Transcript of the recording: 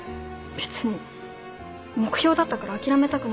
別に目標だったから諦めたくないだけ。